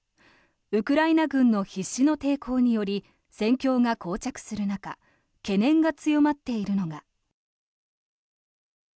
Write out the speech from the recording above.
ウクライナ軍の必死の抵抗により戦況がこう着する中懸念が強まっているのが。